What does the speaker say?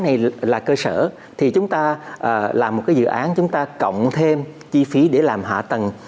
thì cái giá này là cơ sở thì chúng ta làm một cái dự án chúng ta cộng thêm chi phí để làm hạ tầng